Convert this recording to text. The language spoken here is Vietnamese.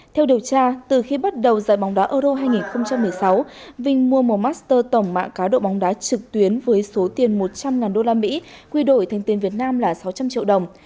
theo điều tra từ khi bắt đầu giải bóng đá euro hai nghìn một mươi sáu vinh mua một master tổng mạng cá độ bóng đá trực tuyến với số tiền một trăm linh usd quy đổi thành tiền việt nam là sáu trăm linh triệu đồng